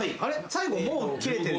最後「もう切れてる」